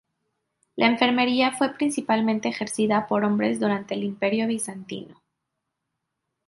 La enfermería fue principalmente ejercida por hombres durante el Imperio bizantino.